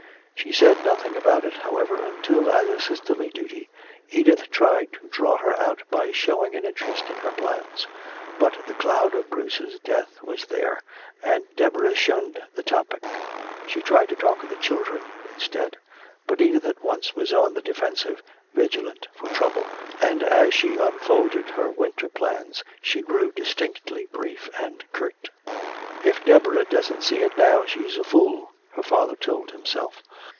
She said nothing about it, however, until as a sisterly duty Edith tried to draw her out by showing an interest in her plans. But the cloud of Bruce's death was there, and Deborah shunned the topic. She tried to talk of the children instead. But Edith at once was on the defensive, vigilant for trouble, and as she unfolded her winter plans she grew distinctly brief and curt. "If Deborah doesn't see it now, she's a fool," her father told himself.